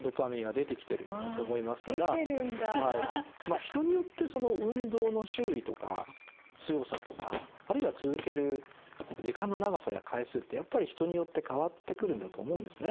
まあ人によってその運動の種類とか強さとかあるいは続ける時間の長さや回数ってやっぱり人によって変わってくるんだと思うんですね。